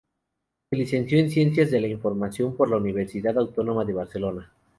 Se licenció en Ciencias de la Información por la Universidad Autónoma de Barcelona.